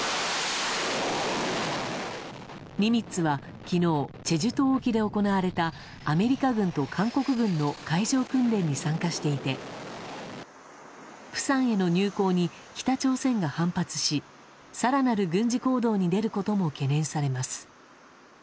「ニミッツ」は昨日、チェジュ島沖で行われたアメリカ軍と韓国軍の海上訓練に参加していて釜山への入港に北朝鮮が反発し更なる軍事行動に出ることも懸念されます。